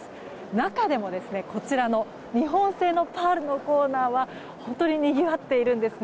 中でも、こちらの日本製のパールのコーナーは本当ににぎわっているんですね。